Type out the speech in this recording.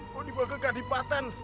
mau dibawa ke kadipatan